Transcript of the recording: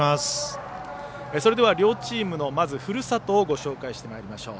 それでは両チームのふるさとをご紹介してまいりましょう。